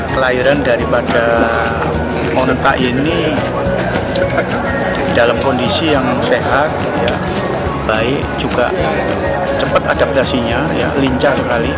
kelahiran daripada moneka ini dalam kondisi yang sehat baik juga cepat adaptasinya lincah sekali